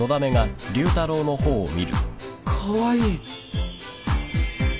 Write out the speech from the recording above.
かわいい。